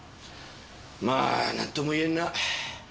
まあ何とも言えんな。